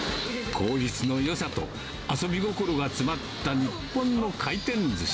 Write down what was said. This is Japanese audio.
効率のよさと、遊び心が詰まった日本の回転ずし。